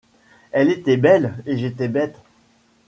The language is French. Elle était belle et j'étais bête ;